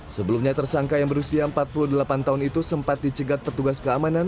sebelumnya tersangka yang berusia empat puluh delapan tahun itu sempat dicegat petugas keamanan